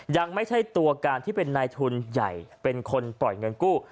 ยังไม่ใช่ตัวการที่เป็นนายทุนใหญ่เป็นคนปล่อยเงินกู้